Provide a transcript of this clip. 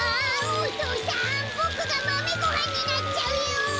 お父さんボクがマメごはんになっちゃうよ！